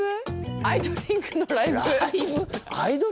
アイドリング！！！のライブ？